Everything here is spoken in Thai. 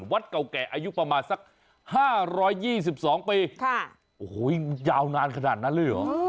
วัดเก่าแก่อายุประมาณสักห้าร้อยยี่สิบสองปีค่ะโอ้โหยยยาวนานขนาดนั้นเลยหรอ